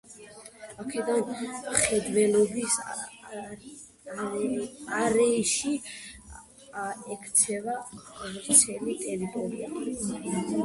აქედან მხედველობის არეში ექცევა ვრცელი ტერიტორია.